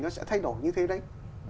nó sẽ thay đổi như thế đấy